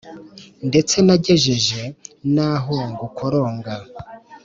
ndetse nagejeje n'aho ngukoronga